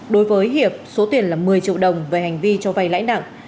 đối với hiệp số tiền là một mươi triệu đồng về hành vi cho vay lãi nặng